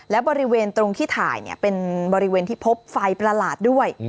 และบริเวณตรงที่ถ่ายเป็นบริเวณที่พบไฟประหลาดด้วย